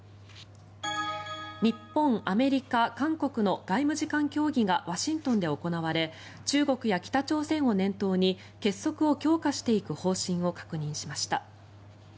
日本、アメリカ、韓国の外務次官協議がワシントンで行われ中国や北朝鮮を念頭に結束を強化していく方針を確認しました。